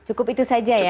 cukup itu saja ya